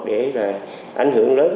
để là ảnh hưởng lớn